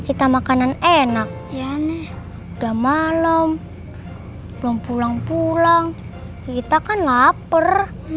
kita makanan enak ya udah malam belum pulang pulang kita kan lapar